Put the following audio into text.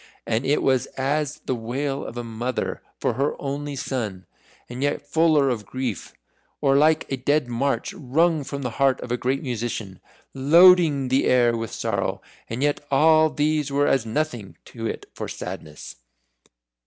And it was as the wail of a mother for her only son, and yet fuller of grief. Or like a Dead March wrung from the heart of a great musician loading the air with sorrow and yet all these were as nothing to it for sadness.